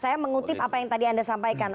saya mengutip apa yang tadi anda sampaikan